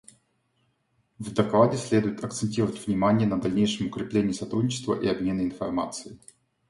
В докладе следует акцентировать внимание на дальнейшем укреплении сотрудничества и обмена информацией.